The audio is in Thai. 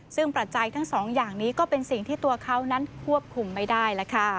ซึ่งปัจจัยทั้งสองอย่างนี้ก็เป็นสิ่งที่ตัวเขานั้นควบคุมไม่ได้แล้วค่ะ